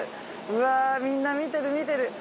うわみんな見てる見てる。